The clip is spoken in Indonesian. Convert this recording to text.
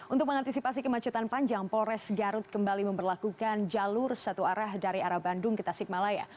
untuk mengantisipasi kemacetan panjang polres garut kembali memperlakukan jalur satu arah dari arah bandung ke tasikmalaya